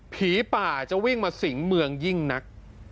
ผีป่าจะวิ่งมาสิงเมืองยิ่งนัก